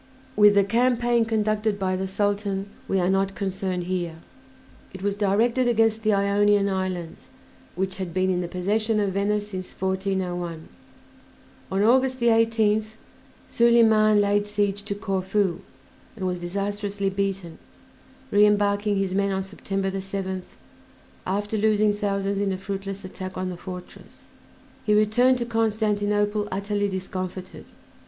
With the campaign conducted by the Sultan we are not concerned here; it was directed against the Ionian Islands, which had been in the possession of Venice since 1401. On August 18th Soliman laid siege to Corfu, and was disastrously beaten, re embarking his men on September 7th, after losing thousands in a fruitless attack on the fortress. He returned to Constantinople utterly discomfited.